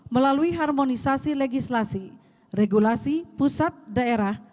melalui harmonisasi legislasi regulasi pusat daerah